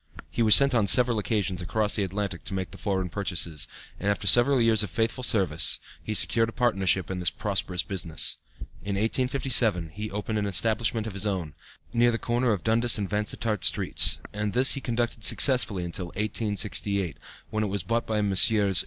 He was sent on several occasions across the Atlantic to make the foreign purchases, and after several years of faithful service he secured a partnership in this prosperous business. In 1857 he opened an establishment of his own, near the corner of Dundas and Vansittart Streets, and this he conducted successfully until 1868, when it was bought by Messrs.